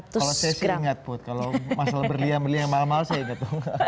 kalau saya sih ingat put kalau masalah berlian berlian yang mahal mahal saya nggak tahu